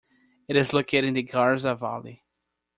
It is located in the Garza valley.